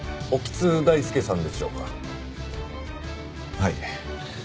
はい。